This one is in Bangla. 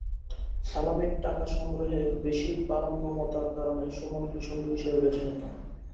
সালামির টাকা সংগ্রহে বেশি পারঙ্গমতার কারণে সুমনকে সঙ্গী হিসেবে বেছে নিতাম।